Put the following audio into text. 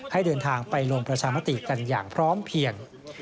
ให้เดินทางไปลงประชามติกันอย่างพร้อมเพียง